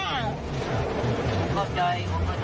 เข้าใจ